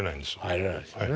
入れないですよね。